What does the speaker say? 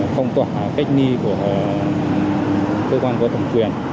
không tỏa cách ni của cơ quan của thổng quyền